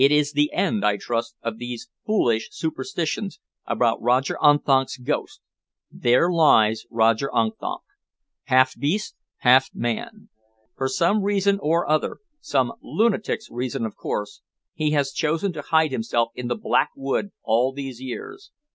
"It is the end, I trust, of these foolish superstitions about Roger Unthank's ghost. There lies Roger Unthank, half beast, half man. For some reason or other some lunatic's reason, of course he has chosen to hide himself in the Black Wood all these years.